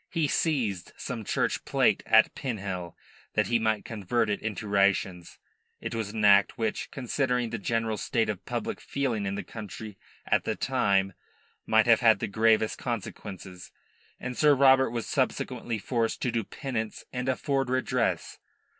He seized some church plate at Pinhel that he might convert it into rations. It was an act which, considering the general state of public feeling in the country at the time, might have had the gravest consequences, and Sir Robert was subsequently forced to do penance and afford redress.